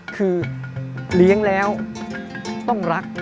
คือเลี้ยงแล้วต้องรัก